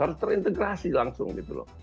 harus terintegrasi langsung gitu loh